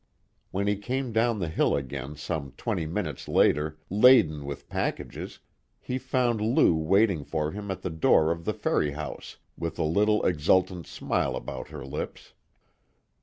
When he came down the hill again some twenty minutes later laden with packages, he found Lou waiting for him at the door of the ferry house, with a little exultant smile about her lips.